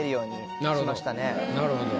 なるほど。